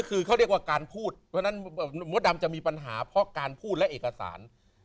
เพราะฉะนั้นมัวดำจะมีปัญหาเพราะการพูดและเอกสาร